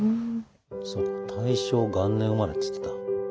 そう大正元年生まれって言ってた。